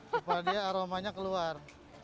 supaya dia aromanya keluar